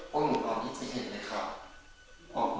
ก็ไม่ใช่ครับ